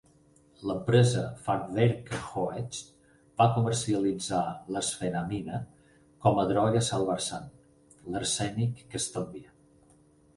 L'empresa Farbwerke Hoechst va comercialitzar l'arsfenamina com a droga Salvarsan, "l'arsènic que estalvia".